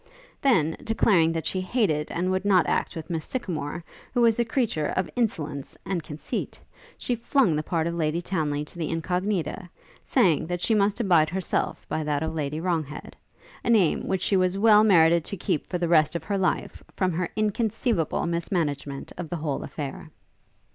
Then, declaring that she hated and would not act with Miss Sycamore, who was a creature of insolence and conceit, she flung the part of Lady Townly to the Incognita, saying, that she must abide herself by that of Lady Wronghead; a name which she well merited to keep for the rest of her life, from her inconceivable mismanagement of the whole affair.